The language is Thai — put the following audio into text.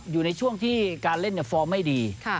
อยู่ในช่วงที่การเล่นฟอร์มไม่ดี